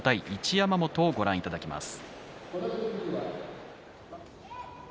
山本をご覧いただきます。